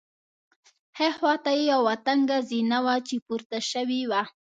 ښي خوا ته یوه تنګه زینه وه چې پورته شوې وه.